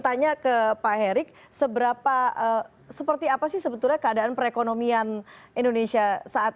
tanya ke pak herik seberapa seperti apa sih sebetulnya keadaan perekonomian indonesia saat